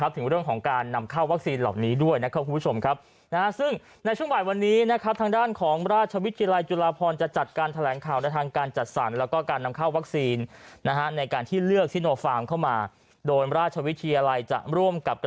ถึงเรื่องของการนำเข้าวัคซีนเหล่านี้ด้วยนะครับคุณผู้ชมครับ